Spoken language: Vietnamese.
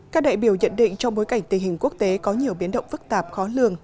các đại biểu nhận định trong bối cảnh tình hình quốc tế có nhiều biến động phức tạp khó lường